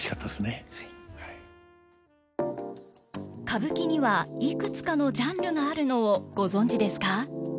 歌舞伎にはいくつかのジャンルがあるのをご存じですか？